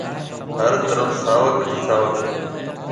هر طرف ساوڪ هِي ساوڪ هيَ۔